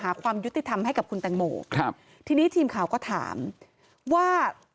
ความยุติธรรมให้กับคุณแตงโมครับทีนี้ทีมข่าวก็ถามว่า